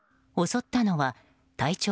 襲ったのは体長